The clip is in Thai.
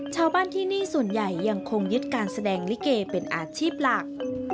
ชาวบ้านที่นี่ส่วนใหญ่ยังคงยึดการแสดงลิเกเป็นอาชีพหลัก